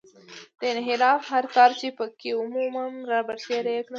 د انحراف هر تار چې په کې ومومم رابرسېره یې کړم.